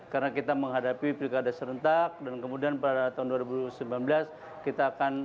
karena kita menghadapi perikadah serentak dan kemudian pada tahun dua ribu sembilan belas kita akan